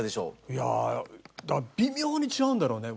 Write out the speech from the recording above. いやあ微妙に違うんだろうね。